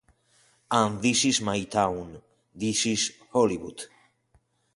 And this is my town, This is hollywood".